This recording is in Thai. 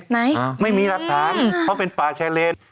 ไหนไม่มีหลักฐานเพราะเป็นป่าชายเลน